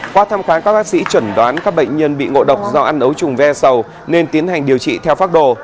qua thăm khám các bác sĩ chuẩn đoán các bệnh nhân bị ngộ độc do ăn ấu trùng ve sầu nên tiến hành điều trị theo pháp đồ